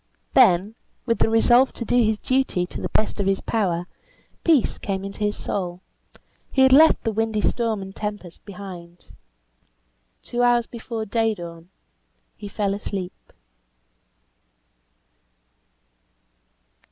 Then, with the resolve to do his duty to the best of his power, peace came into his soul; he had left the windy storm and tempest behind. Two hours before day dawn he fell asleep.